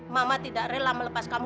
mama tidak rela melepas kamu